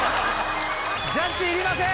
ジャッジいりません！